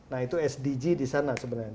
nah itu sdg di sana sebenarnya